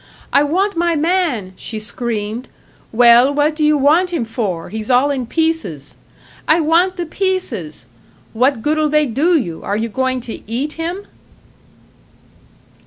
'I want my man!' she screamed. 'Well, what do you want him for? He's all in pieces!' 'I want the pieces!' 'What good'll they do you? Are you goin' to eat him?'"